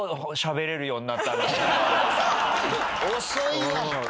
遅いわ。